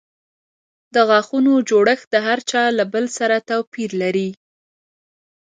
د غاښونو جوړښت د هر چا له بل سره توپیر لري.